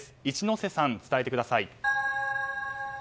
一之瀬さん、伝えてください。